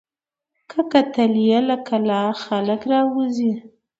که کتل یې له کلا خلک راوزي